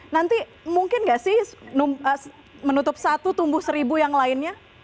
nanti mungkin nggak sih menutup satu tumbuh seribu yang lainnya